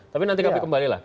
tapi nanti kami kembalilah